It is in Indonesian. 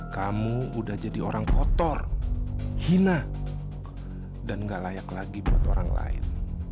kamu udah jadi orang kotor hina dan gak layak lagi buat orang lain